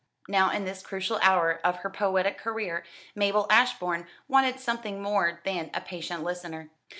Now, in this crucial hour of her poetic career, Mabel Ashbourne wanted something more than a patient listener.